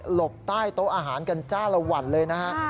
บใต้โต๊ะอาหารกันจ้าละวันเลยนะฮะ